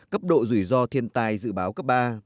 cấp độ rủi ro thiên tai dự báo cấp ba